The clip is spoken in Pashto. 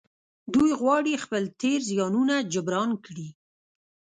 دوی غواړي خپل تېر زيانونه جبران کړي.